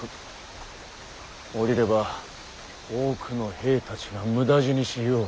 下りれば多くの兵たちが無駄死にしよう。